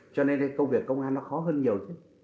cho nên công việc công an nó khó hơn nhiều chứ